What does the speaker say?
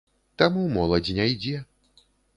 Таму моладзь не ідзе.